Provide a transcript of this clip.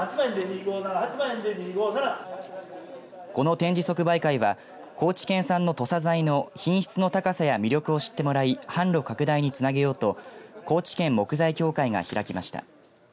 この展示即売会は高知県産の土佐材の品質の高さや魅力を知ってもらい販路拡大につなげようと高知県木材協会が開きました。